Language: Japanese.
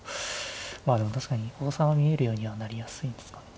でも確かに王様見えるようにはなりやすいんですかね